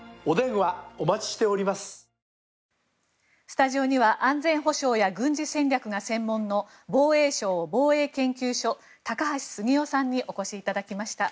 スタジオには安全保障や軍事戦略が専門の防衛省防衛研究所高橋杉雄さんにお越しいただきました。